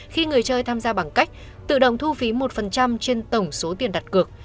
khi người chơi tham gia bằng cách tự động thu phí một trên tổng số tiền đặt cược